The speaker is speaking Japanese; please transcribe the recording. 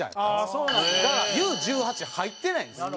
だからＵ−１８入ってないんですよ。